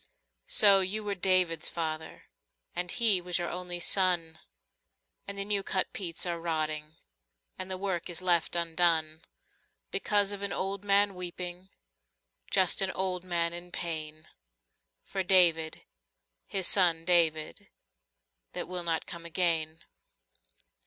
lO you were David's father, And he was your only son, And the new cut peats are rotting And the work is left undone. Because of an old man weeping, Just an old man in pain. For David, his son David, That will not come again.